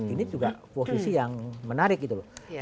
ini juga posisi yang menarik gitu loh